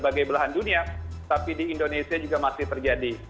sebagai belahan dunia tapi di indonesia juga masih terjadi